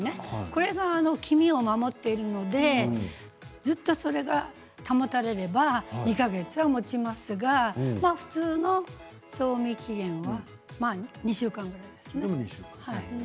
これが黄身を守っているのでずっとそれが保たれれば２か月はもちますが普通の賞味期限は２週間ぐらいですね。